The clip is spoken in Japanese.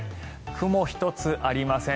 雲一つありません。